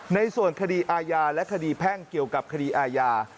ในส่วนคดีอาญาและคดีแพ่งเกี่ยวกับคดีอาญา